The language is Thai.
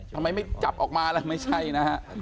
ทำไมไม่จับออกมาล่ะไม่ใช่นะฮะ